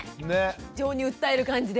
情に訴える感じで。